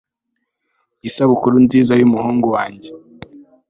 isabukuru nziza yumuhungu wanjye